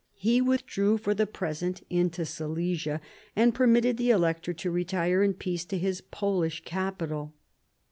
He withdrew for the present into Silesia, and permitted the Elector to retire in peace to his Polish capital.